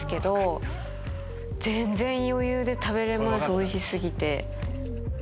おいし過ぎて。